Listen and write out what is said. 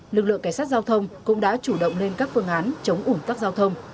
lực lượng kẻ sát giao thông cũng đã chủ động lên các phương án chống uốn tắc giao thông